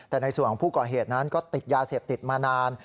แต่ในส่วนของผู้ก่อเหตุนั้นก็ติดยาเสพติดมานาน